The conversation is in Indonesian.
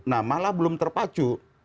nah malah belum terpacu